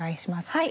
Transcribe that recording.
はい。